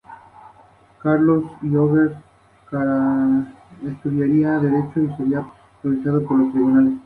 Las colinas de Canterlot son mencionadas en "The Journal of the Two Sisters".